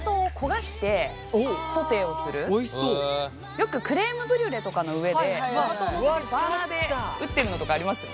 よくクレームブリュレとかの上でお砂糖を載せてバーナーでうってるのとかありますよね？